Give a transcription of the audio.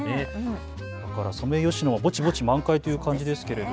ソメイヨシノはぼちぼち満開という感じですけど。